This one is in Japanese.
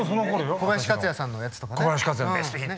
小林克也さんのやつとかね。